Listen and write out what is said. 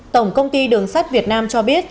tổng công ty đường sắt việt nam cho biết